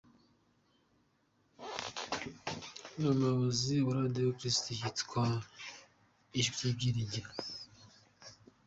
Ni umuyobozi wa Radio ya Gikiristu yitwa Ijwi ry’Ibyiringiro.